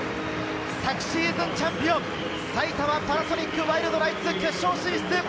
昨シーズンチャンピオン、埼玉パナソニックワイルドナイツ、決勝進出！